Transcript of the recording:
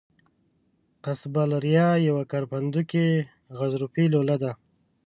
قصبة الریه یوه کرپندوکي غضروفي لوله ده.